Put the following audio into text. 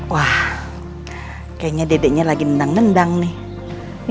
wah kayaknya dedeknya lagi nendang nendang nih